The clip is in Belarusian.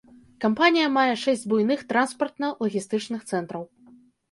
Кампанія мае шэсць буйных транспартна-лагістычных цэнтраў.